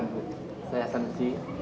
sebenarnya bu saya sanjsi